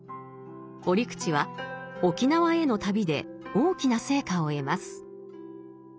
折口は沖縄への旅で大きな成果を得ます。